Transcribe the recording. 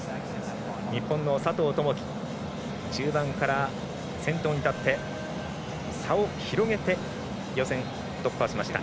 日本の佐藤友祈中盤から先頭に立って差を広げて予選突破をしました。